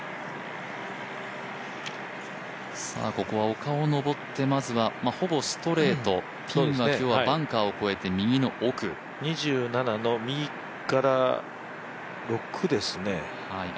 ここは丘を上って、ほぼストレート、ピンはバンカーを越えて２７の右から６ですね。